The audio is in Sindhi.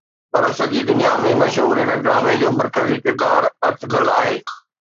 پر سڄي دنيا ۾ مشهور هن ڊرامي جو مرڪزي ڪردار ارطغرل آهي